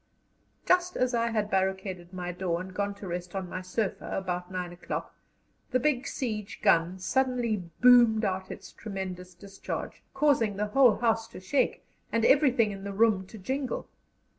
Just as I had barricaded my door and gone to rest on my sofa about nine o'clock, the big siege gun suddenly boomed out its tremendous discharge, causing the whole house to shake and everything in the room to jingle.